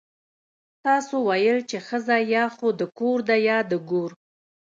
تاسو ويل چې ښځه يا خو د کور ده يا د ګور.